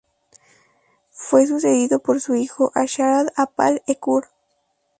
Fue sucedido por su hijo, Asharid-apal-Ekur.